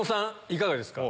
いかがですか？